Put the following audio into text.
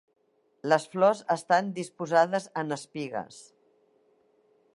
Les flors estan disposades en espigues.